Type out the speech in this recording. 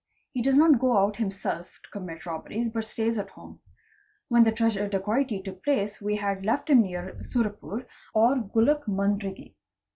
He does not go out himself to commit tobberies, but stays at home. When the treasure dacoity took place we had left him near Surapur or Gulluck Mundrigi.